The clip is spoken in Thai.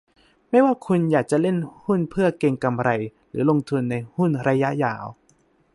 ไม่ว่าคุณอยากจะเล่นหุ้นเพื่อเก็งกำไร หรือลงทุนในหุ้นระยะยาว